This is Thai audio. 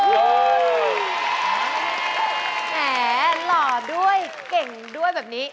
แหล่อด้วยเก่งด้วยแบบนี้